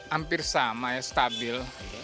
hampir sama ya stabil